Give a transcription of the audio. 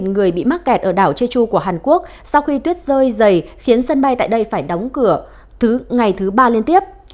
một mươi người bị mắc kẹt ở đảo jeju của hàn quốc sau khi tuyết rơi dày khiến sân bay tại đây phải đóng cửa thứ ngày thứ ba liên tiếp